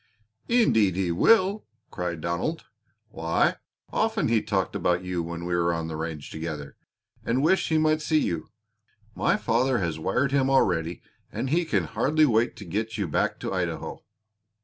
"Indeed he will!" cried Donald. "Why, often he talked about you when we were on the range together, and wished he might see you. My father has wired him already and he can hardly wait to get you back to Idaho."